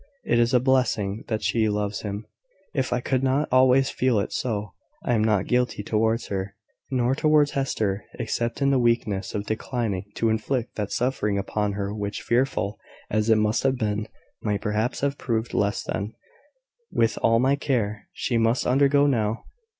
It is a blessing that she loves him, if I could but always feel it so. I am not guilty towards her, nor towards Hester, except in the weakness of declining to inflict that suffering upon her which, fearful as it must have been, might perhaps have proved less than, with all my care, she must undergo now.